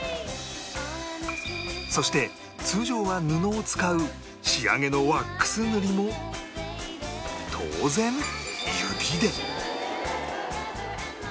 そして通常は布を使う仕上げのワックス塗りも当然指で！